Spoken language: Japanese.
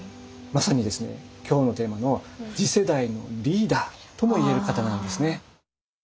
まさにですね今日のテーマの「次世代のリーダー」ともいえる方なんですね。